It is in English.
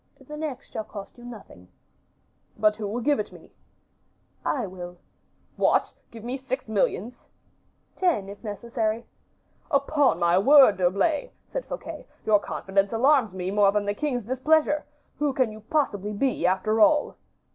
"The next shall cost you nothing." "But who will give it me?" "I will." "What, give me six millions?" "Ten, if necessary." "Upon my word, D'Herblay," said Fouquet, "your confidence alarms me more than the king's displeasure. Who can you possibly be, after all?"